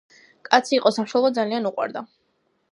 კაცი იყო, სამშობლო ძალიან უყვარდა